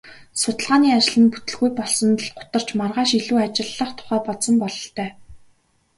Судалгааны ажил нь бүтэлгүй болсонд л гутарч маргааш илүү ажиллах тухай бодсон бололтой.